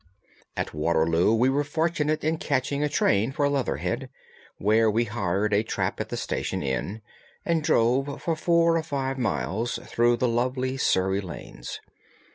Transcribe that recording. At Waterloo we were fortunate in catching a train for Leatherhead, where we hired a trap at the station inn and drove for four or five miles through the lovely Surrey lanes.